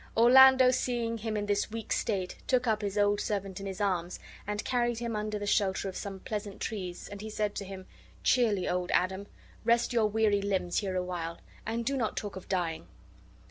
Orlando, seeing him in this weak state, took his old servant up in his arms and carried him under the shelter of some pleasant trees; and he said to him: "Cheerly, old Adam. Rest your weary limbs here awhile, and do not talk of dying!"